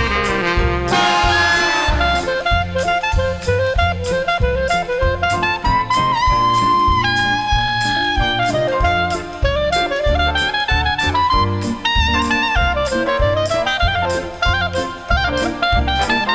สวัสดีครับ